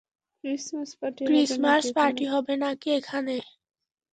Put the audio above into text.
Christmas party হবে নাকি এখানে?